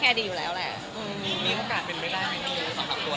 ก็เลยเอาข้าวเหนียวมะม่วงมาปากเทียน